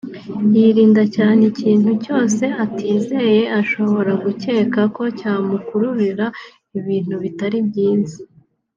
yirinda cyane ikintu cyose atizeye ashobora gucyeka ko cyamukururira ibintu bitari byiza